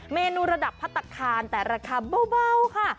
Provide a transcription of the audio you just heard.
เมนูระดับพัฒนาคารแต่ราคาเบาค่ะ